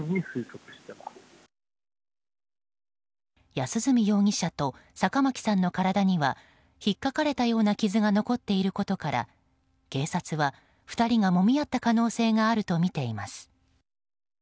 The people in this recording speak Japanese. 安栖容疑者と坂巻さんの体にはひっかかれたような傷が残っていることから警察は、２人がもみ合った可能性があるとみています。